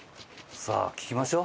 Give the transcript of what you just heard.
さあ聞きましょう。